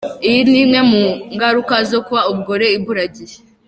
Iyi ni imwe mu ngaruka zo kuba umugore imburagihe.